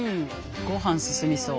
ごはん進みそう。